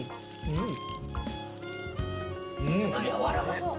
やわらかそう。